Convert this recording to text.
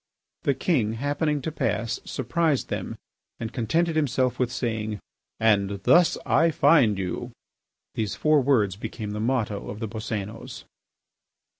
The king, happening to pass, surprised them and contented himself with saying, "And thus I find you." These four words became the motto of the Boscénos.